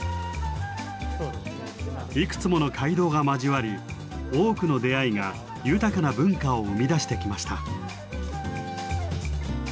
いくつもの街道が交わり多くの出会いが豊かな文化を生み出してきました。